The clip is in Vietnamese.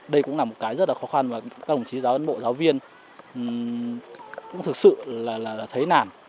đây cũng là một cái rất là khó khăn và các đồng chí giáo ân bộ giáo viên cũng thực sự là thấy nản